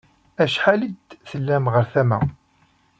Acḥal i d-tellam ɣer tama.